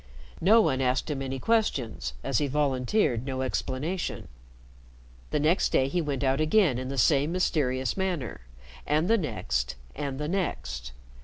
No one asked him any questions as he volunteered no explanation. The next day he went out again in the same mysterious manner, and the next and the next.